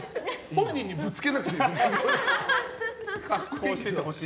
本人にぶつけなくても。